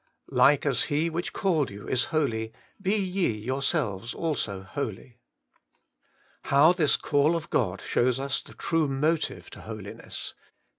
'Like as He which called you is holy, be ye yourselves also holy/ How this call of God shows us the true motive to Holiness.